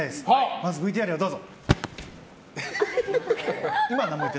まずＶＴＲをどうぞ。